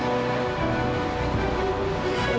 apa ayahku pernah cerita sesuatu sama kamu